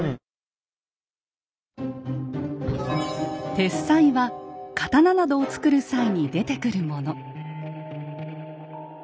鉄滓は刀などを作る際に出てくるもの。